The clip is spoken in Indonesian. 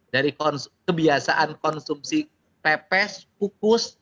dari kebiasaan konsumsi pepes kukus